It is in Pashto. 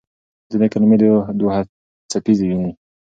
ځینې کلمې دوهڅپیزې دي.